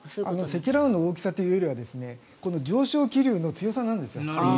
積乱雲の大きさというよりは上昇気流の強さなんです。